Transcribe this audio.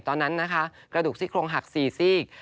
ตอนนั้นกระดูกซี่โครงหักสี่ซีก